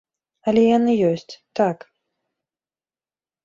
Але яны ёсць, так.